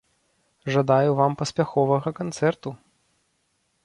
Жадаю вам паспяховага канцэрту!